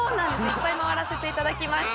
いっぱい回らせて頂きました。